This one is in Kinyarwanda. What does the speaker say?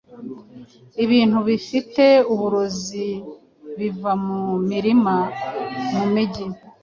Ibintu bifite uburozi biva mu mirima, mu mijyi,